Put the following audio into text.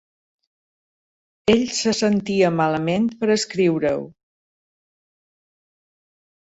Ell se sentia malament per escriure-ho.